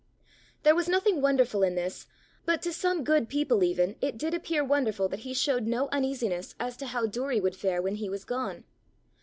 There was nothing wonderful in this; but to some good people even it did appear wonderful that he showed no uneasiness as to how Doory would fare when he was gone.